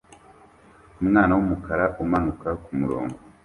Umwana wumukara umanuka kumurongo